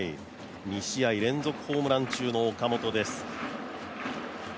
２試合連続ホームラン中の岡本です。